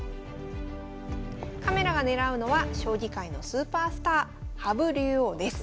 カメラが狙うのは将棋界のスーパースター羽生竜王です。